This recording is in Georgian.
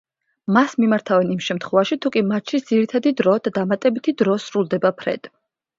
მას მიმართავენ იმ შემთხვევაში, თუკი მატჩის ძირითადი დრო და დამატებითი დრო სრულდება ფრედ.